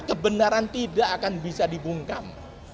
kebenaran tidak akan bisa dibungkam